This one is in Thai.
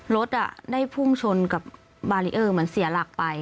รถได้พุ่งชนกับบารีเออร์เหมือนเสียหลักไป